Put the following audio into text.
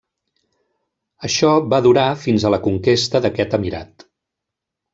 Això va durar fins a la conquesta d'aquest emirat.